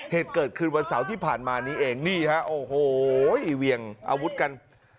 เหตุเกิดขึ้นวันเสาร์ที่ผ่านมานี้เองนี่ฮะโอ้โหเวียงอาวุธกัน